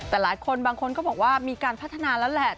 แต่หลายคนบางคนก็บอกว่ามีการพัฒนาแล้วแหละ